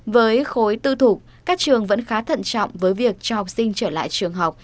với khối tư thục các trường vẫn khá thận trọng với việc cho học sinh trở lại trường học